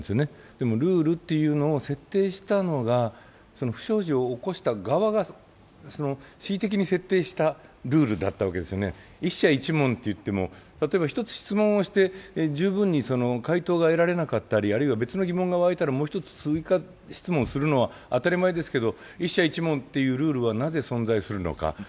でもルールを設定したのが、不祥事を起こした側が恣意的に設定したルールだったわけですよね、１社１問といっても質問しても十分に回答が得られなかったり、あるいは別の疑問が湧いたらもう一つ追加質問するのは当たり前ですけど１社１問というルールがなぜ存在するのか。